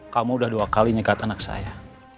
kamu udah dua kali nyekat anak saya